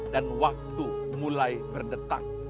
dan waktu mulai berdetak